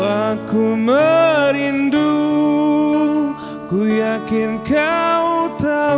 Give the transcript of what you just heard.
aku merindu kuyakin kau tahu